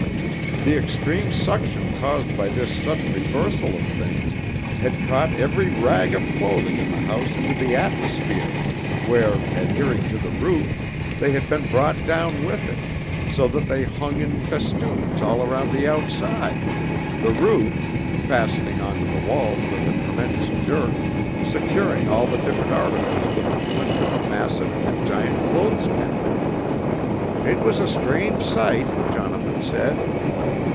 "The extreme suction caused by this sudden reversal of things had caught every rag of clothing in the house into the atmosphere where, adhering to the roof, they had been brought down with it, so that they hung in festoons all around the outside, the roof, fastening onto the walls with a tremendous jerk, securing all the different articles with the clinch of a massive and giant clothespin. "'It was a strange sight,' Jonathan said.